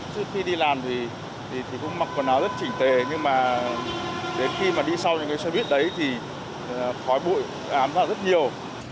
trước khi đi làm thì cũng mặc quần áo rất chỉnh tề nhưng mà đến khi mà đi sau những cái xe buýt đấy thì khói bụi ám vào rất nhiều